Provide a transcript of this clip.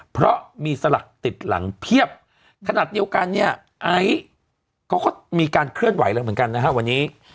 เพราะมีสลักติดหลังเพียบขนาดเดียวกันเนี่ยไอซ์เขาก็มีการเคลื่อนไหวแล้วเหมือนกันนะฮะวันนี้